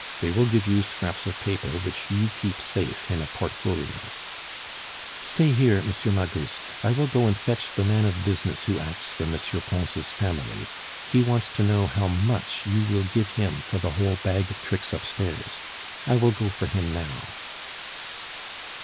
They will give you scraps of paper, which you keep safe in a portfolio." "Stay here, M. Magus. I will go and fetch the man of business who acts for M. Pons' family. He wants to know how much you will give him for the whole bag of tricks upstairs. I will go for him now."